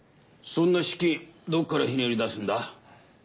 そんな資金どこからひねり出すんだ？